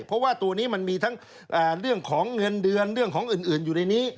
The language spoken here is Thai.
เพราะว่าตัวนี้มันมีทั้งเรื่องของเงินเดือนเรื่องของอื่นอยู่ในนี้